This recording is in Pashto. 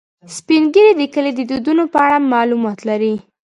سپین ږیری د کلي د دودونو په اړه معلومات لري